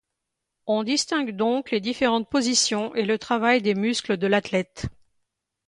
On distingue donc les différentes positions et le travail des muscles de l'athlète.